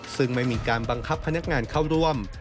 ซึ่งไม่มีการบังคับพนักงานเข้าร่วม